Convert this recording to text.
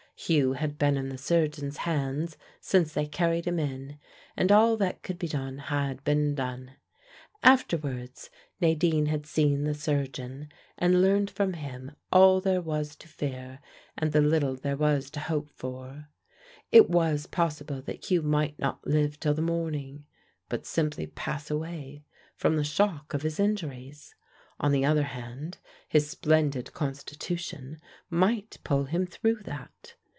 Hugh had been in the surgeon's hands since they carried him in, and all that could be done had been done. Afterwards Nadine had seen the surgeon, and learned from him all there was to fear and the little there was to hope for. It was possible that Hugh might not live till the morning, but simply pass away from the shock of his injuries. On the other hand his splendid constitution might pull him through that.